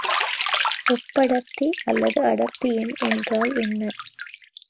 ஒப்படர்த்தி அல்லது அடர்த்தி எண் என்றால் என்ன?